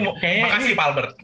makasih pak albert